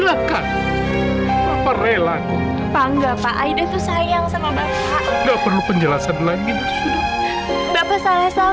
bapak berapa bapak rela